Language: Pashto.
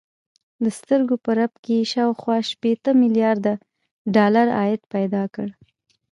د سترګو په رپ کې يې شاوخوا شپېته ميليارده ډالر عايد پيدا کړ.